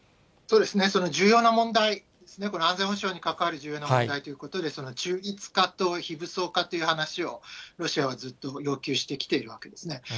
その重要な問題ですね、この安全保障に関わる重要な問題ということで、中立化と非武装化という話を、ロシアはずっと要求してきているわけですね。